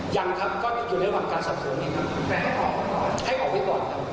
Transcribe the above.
อย่างอมการการสะสมจะให้ออกไว้ก่อน